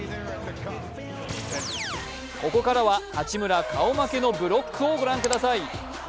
ここからは八村顔負けのブロックをご覧ください。